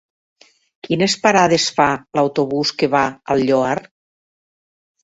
Quines parades fa l'autobús que va al Lloar?